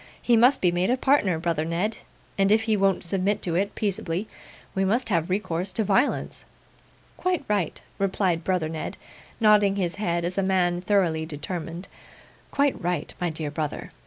He must be made a partner, brother Ned; and if he won't submit to it peaceably, we must have recourse to violence.' 'Quite right,' replied brother Ned, nodding his head as a man thoroughly determined; 'quite right, my dear brother.